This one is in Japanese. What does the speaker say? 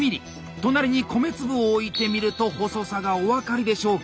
隣に米粒を置いてみると細さがお分かりでしょうか。